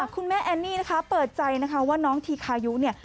คุณแม่แอนนี่นะคะเปิดใจนะคะว่าน้องทีคายุเนี่ย